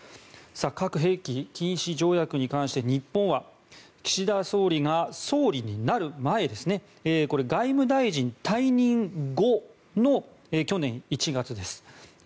核兵器禁止条約に関して日本は、岸田総理が総理になる前です外務大臣退任後の去年１月です。